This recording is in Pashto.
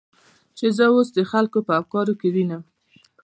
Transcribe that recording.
چې زه اوس د خلکو په افکارو کې وینم.